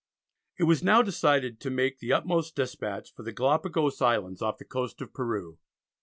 It was now decided to make the "utmost despatch" for the Galapagos Islands off the coast of Peru.